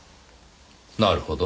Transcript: なるほど。